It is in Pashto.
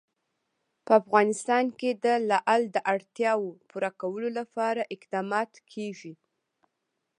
په افغانستان کې د لعل د اړتیاوو پوره کولو لپاره اقدامات کېږي.